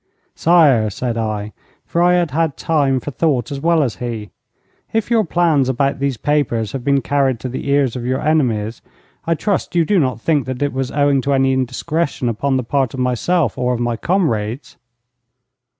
'Sire,' said I, for I had had time for thought as well as he, 'if your plans about these papers have been carried to the ears of your enemies, I trust you do not think that it was owing to any indiscretion upon the part of myself or of my comrades.'